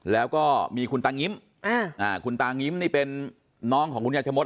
แล้วก็มีคุณตางิ้มคุณตางิ้มนี่เป็นน้องของคุณยายชะมด